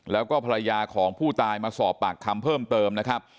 แล้วก็ภรรยาของผู้ตายมาสอบปากคำเพิ่มเติมนะครับ